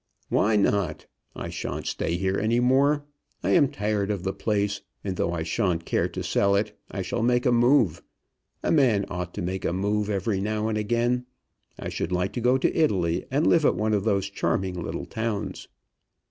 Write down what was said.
"Why not? I shan't stay here any way. I am tired of the place, and though I shan't care to sell it, I shall make a move. A man ought to make a move every now and again. I should like to go to Italy, and live at one of those charming little towns."